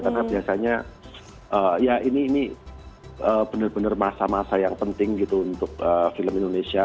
karena biasanya ya ini bener bener masa masa yang penting gitu untuk film indonesia